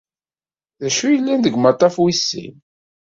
D acu yellan deg umaṭṭaf wis sin?